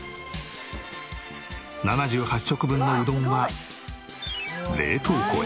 ７８食分のうどんが冷凍庫へ。